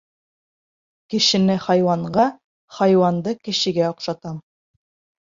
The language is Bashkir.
Кешене — хайуанға, хайуанды кешегә оҡшатам.